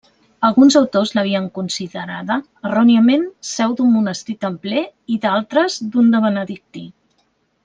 Alguns autors l'havien considerada, erròniament seu d'un monestir templer i d'altres, d'un de benedictí.